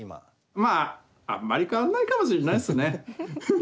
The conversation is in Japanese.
まああんまり変わんないかもしんないっすね。